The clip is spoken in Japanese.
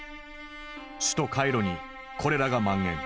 首都カイロにコレラが蔓延。